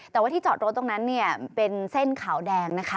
แต่ว่าที่จอดรถตรงนั้นเนี่ยเป็นเส้นขาวแดงนะคะ